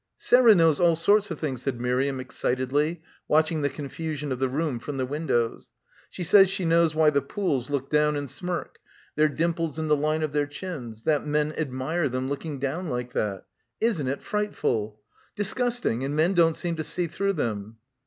"Sarah knows all sorts of things," said Miriam excitedly, watching the confusion of the room from the windows. "She says she knows why thfe Pooles look down and smirk; their dimples and — 210 — BACKWATER the line of their chins; that men admire them looking down like that. Isn't it frightful. Dis gusting. And men don't seem to see through them."